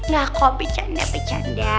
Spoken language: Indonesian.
gak kok becanda becanda